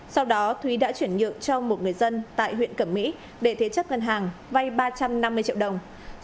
sau đó thúy đã chuyển nhượng cho một người dân tại huyện cẩm mỹ để thế chấp ngân hàng vay ba trăm năm mươi triệu đồng